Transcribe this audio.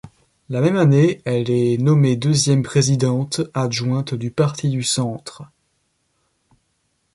La même année, elle est nommée deuxième présidente adjointe du Parti du centre.